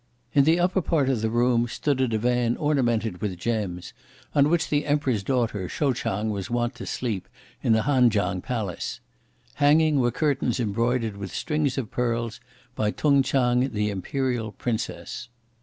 In the upper part of the room, stood a divan ornamented with gems, on which the Emperor's daughter, Shou Ch'ang, was wont to sleep, in the Han Chang Palace Hanging, were curtains embroidered with strings of pearls, by T'ung Ch'ang, the Imperial Princess.